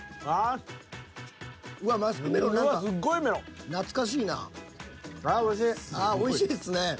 ああおいしいですね。